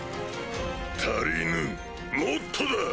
足りぬもっとだ！